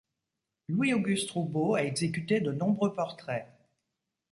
Louis Auguste Roubaud a exécuté de nombreux portraits.